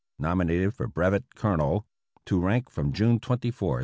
(Nominated for brevet colonel, to rank from June 24, 1898.)